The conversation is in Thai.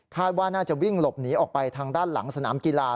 ว่าน่าจะวิ่งหลบหนีออกไปทางด้านหลังสนามกีฬา